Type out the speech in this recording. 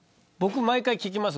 毎回聞きます。